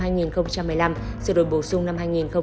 năm hai nghìn một mươi năm sự đổi bổ sung năm hai nghìn một mươi bảy